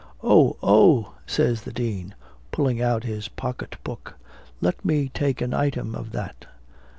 "Oh! oh!" says the dean, pulling out his pocket book, "let me take an item of that.